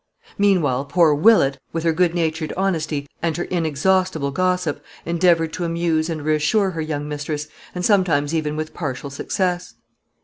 Meanwhile poor Willett, with her good natured honesty and her inexhaustible gossip, endeavored to amuse and reassure her young mistress, and sometimes even with some partial success.